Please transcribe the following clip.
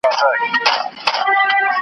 سرونه پرې کړي مالونه یوسي .